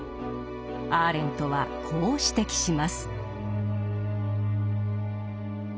アーレントはこう指摘します。